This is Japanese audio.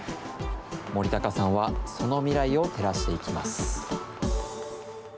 森高さんはその未来を照らしていきます。